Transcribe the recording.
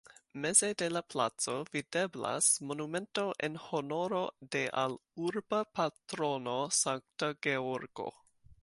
Meze de la placo videblas monumento en honoro de al urba patrono Sankta Georgo.